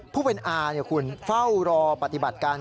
ผู้เป็นอาคุณเฝ้ารอปฏิบัติการ